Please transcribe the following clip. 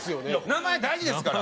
名前大事ですから。